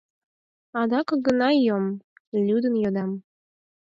— Адак огына йом? — лӱдын йодам.